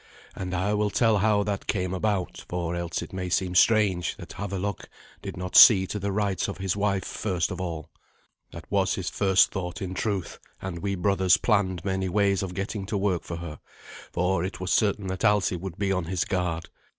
And I will tell how that came about, for else it may seem strange that Havelok did not see to the rights of his wife first of all. That was his first thought, in truth, and we brothers planned many ways of getting to work for her, for it was certain that Alsi would be on his guard.